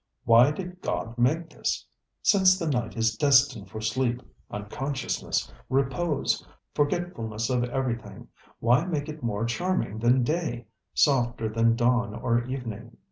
ŌĆ£Why did God make this? Since the night is destined for sleep, unconsciousness, repose, forgetfulness of everything, why make it more charming than day, softer than dawn or evening?